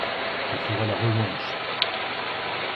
Ce sera la revanche !